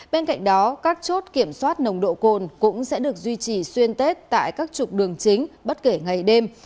bên cạnh đó các chốt kiểm soát nồng độ cồn cũng sẽ được duy trì xuyên tết tại các trục đường chính bất kể ngày đêm